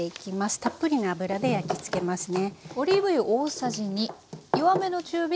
たっぷりの油で焼き付けますね。